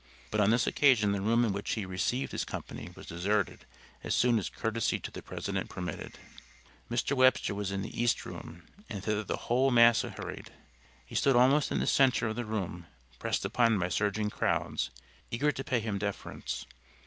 But on this occasion the room in which he received his company was deserted as soon as courtesy to the president permitted. Mr. Webster was in the East room and thither the whole mass hurried. He stood almost in the center of the room pressed upon by surging crowds eager to pay him deference.